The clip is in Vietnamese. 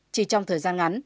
chỉ trong thời gian ngắn